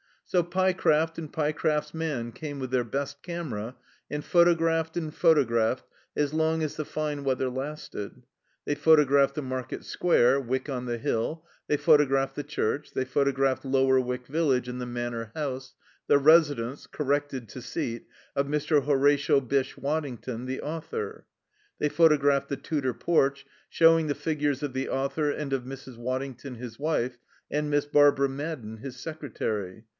So Pyecraft and Pyecraft's man came with their best camera, and photographed and photographed, as long as the fine weather lasted. They photographed the Market Square, Wyck on the Hill; they photographed the church; they photographed Lower Wyck village and the Manor House, the residence corrected to seat of Mr. Horatio Bysshe Waddington, the author. They photographed the Tudor porch, showing the figures of the author and of Mrs. Waddington, his wife, and Miss Barbara Madden, his secretary.